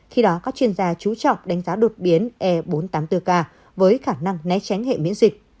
khi đó các chuyên gia chú trọng đánh giá đột biến e bốn trăm tám mươi bốn k với khả năng né tránh hệ miễn dịch